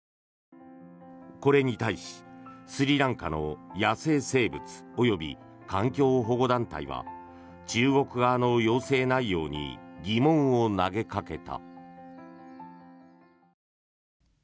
これに対し、スリランカの野生生物及び環境保護団体は中国側の要請内容に疑問を投げかけた。